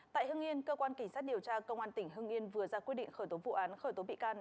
tại hưng yên cơ quan kỳ sát điều tra công an tỉnh hưng yên vừa ra quyết định khởi tố vụ án khởi tố bị can